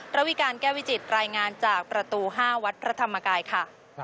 ระวิการแก้วิจิตรายงานจากประตู๕วัดพระธรรมกายค่ะ